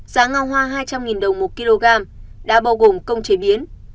giá ngao hoa hai trăm linh đồng một kg đã bao gồm công chế biến